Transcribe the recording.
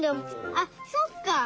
あっそっか。